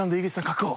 確保。